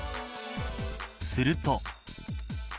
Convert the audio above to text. すると。